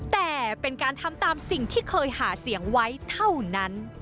แต่เป็นการทำตามสิ่งที่เคยหาเสียงไว้เท่านั้น